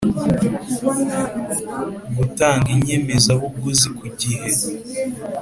gutanga inyemezabuguzi kugihe